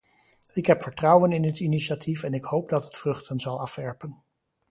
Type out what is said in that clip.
Ik heb vertrouwen in dit initiatief en ik hoop dat het vruchten zal afwerpen.